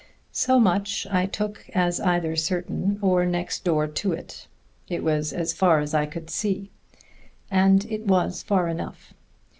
So much I took as either certain or next door to it. It was as far as I could see. And it was far enough.